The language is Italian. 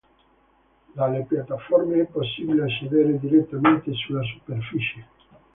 Dalle piattaforme è possibile accedere direttamente sulla superficie.